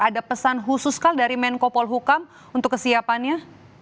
ada pesan khusus dari menkopol hukam untuk kesiapannya